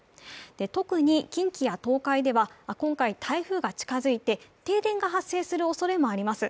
特に近畿や東海では今回台風が近づいて、停電が発生するおそれがあります。